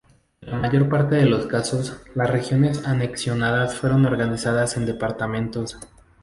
En la mayor parte de los casos, las regiones anexionadas fueron organizadas en departamentos.